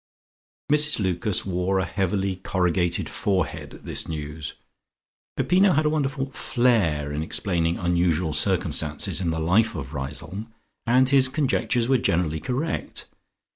_" Mrs Lucas wore a heavily corrugated forehead at this news. Peppino had a wonderful flair in explaining unusual circumstances in the life of Riseholme and his conjectures were generally correct.